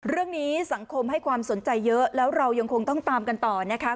เรื่องนี้สังคมให้ความสนใจเยอะแล้วเรายังคงต้องตามกันต่อนะคะ